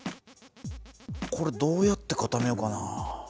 これどうやって固めようかな？